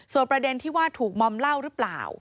ประเด็นที่ว่าถูกมอมเหล้าหรือเปล่า